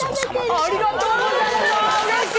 ありがとうございますうれしい！